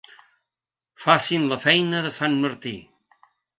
Facin la feina de sant Martí.